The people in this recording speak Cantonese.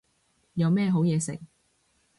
有咩好嘢食